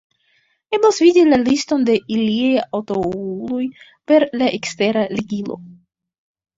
Eblas vidi la liston de iliaj antaŭuloj per la ekstera ligilo.